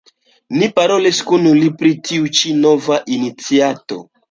Ni parolis kun li pri tiu ĉi nova iniciato.